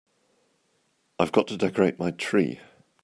I've got to decorate my tree.